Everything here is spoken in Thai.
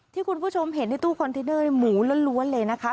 ที่คุณผู้ชมเห็นในตู้คอนเทนเนอร์หมูล้วนเลยนะคะ